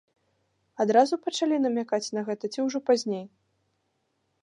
Адразу пачалі намякаць на гэта ці ўжо пазней?